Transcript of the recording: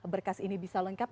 berkas ini bisa lengkap